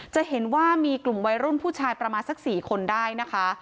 จะเห็นว่ามีกลุ่มวัยรุ่นผู้ชายประมาณสัก๔คนได้นะคะ